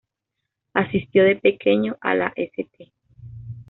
Asistió de pequeño a la St.